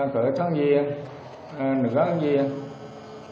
cửa tháng giêng nửa tháng giêng